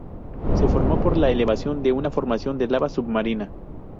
Se formó por la elevación de una formación de lava submarina.